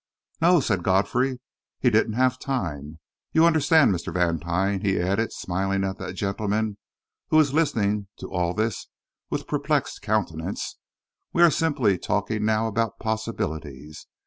"No," said Godfrey; "he didn't have time. You understand, Mr. Vantine," he added, smiling at that gentleman, who was listening to all this with perplexed countenance, "we are simply talking now about possibilities.